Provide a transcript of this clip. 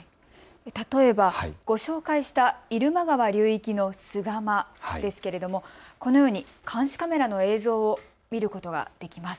例えばご紹介した入間川流域の菅間ですけれども、このように監視カメラの映像を見ることができます。